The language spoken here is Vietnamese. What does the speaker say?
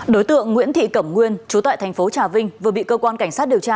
đối tượng nguyễn thị cẩm nguyên chú tại thành phố trà vinh vừa bị cơ quan cảnh sát điều tra